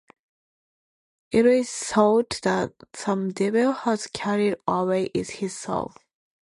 It is thought that some devil has carried away his soul.